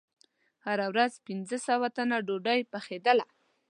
هره ورځ پنځه سوه تنه ډوډۍ پخېدله.